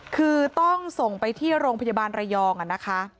คือต้องส่งไปที่โรงพยาบาลระยองนะคะ